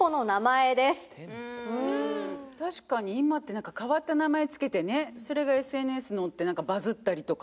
確かに今ってなんか変わった名前付けてねそれがＳＮＳ載ってバズったりとか。